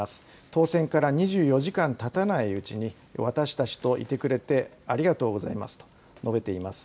当選から２４時間たたないうちに私たちといてくれてありがとうございますと述べています。